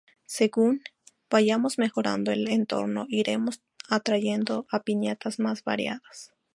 Según vayamos mejorando el entorno iremos atrayendo a piñatas más variadas.